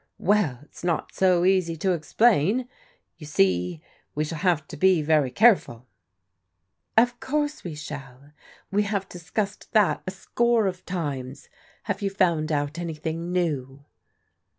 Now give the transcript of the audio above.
Well, it's not so easy to explain. You see we shall have to be very careful." *' Of course we shall. We have discussed that a score of times. Have you found out anything new